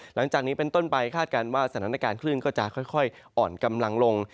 หลังจากนี้เป็นต้นไปคาดการณ์ว่าสถานการณ์คลื่นก็จะค่อยอ่อนกำลังลง